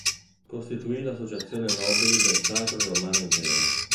Costituì l'Associazione Nobili del Sacro Romano Impero.